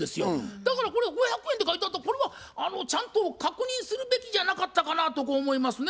だからこれは５００円って書いてあったらこれはちゃんと確認するべきじゃなかったかなとこう思いますね。